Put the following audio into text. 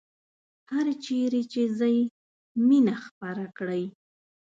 هرچیرې چې ځئ مینه خپره کړئ